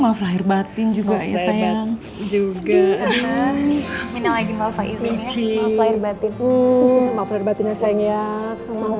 maaf lahir batin juga ya sayang maaf lahir batin juga ya sayang